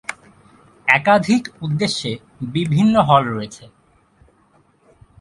একাধিক উদ্দেশ্যে বিভিন্ন হল রয়েছে।